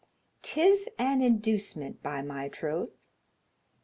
"'Tis an inducement, by my troth."